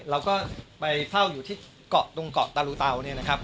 เราก็ไปเฝ้าอยู่ที่เกาะตรงเกาะตาลูเตาเนี่ยนะครับ